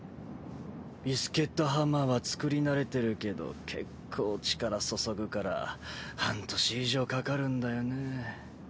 ビスケットハンマーは作り慣れてるけど結構力注ぐから半年以上かかるんだよね。